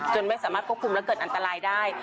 ไม่สามารถควบคุมและเกิดอันตรายได้